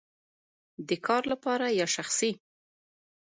د کار لپاره یا شخصی؟